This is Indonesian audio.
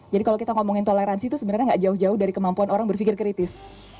jadi kalau kita ngomongin toleransi itu sebenarnya gak jauh jauh dari kemampuan orang berpikir kritis